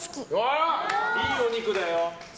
いいお肉だよ。